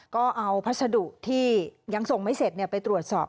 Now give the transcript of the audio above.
ก็เอาพัสดุที่ยังส่งไม่เสร็จไปตรวจสอบ